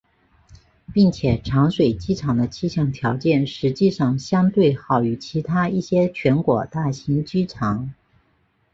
并且长水机场的气象条件实际上相对好于其他一些全国大型机场。